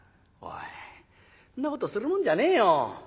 「おいそんなことするもんじゃねえよ。